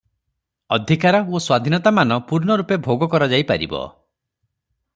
ଅଧିକାର ଓ ସ୍ୱାଧୀନତାମାନ ପୂର୍ଣ୍ଣରୂପେ ଭୋଗ କରାଯାଇ ପାରିବ ।